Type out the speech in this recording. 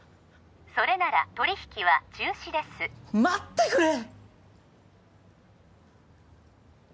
それなら取引は中止です待ってくれ！